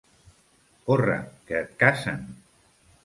Corre, que et casen.